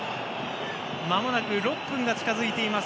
まもなく６分が近づいています